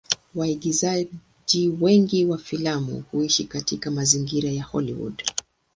Waigizaji wengi wa filamu huishi katika mazingira ya Hollywood.